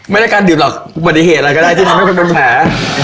ไม่ได้การดื่มหรอกอุบัติเหตุอะไรก็ได้ที่ทำให้มันเป็นแผล